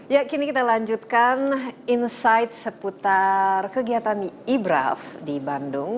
ya kini kita lanjutkan insight seputar kegiatan ibraf di bandung